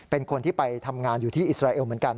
เป็นคนที่ไปทำงานอยู่ที่อิสราเอลเหมือนกัน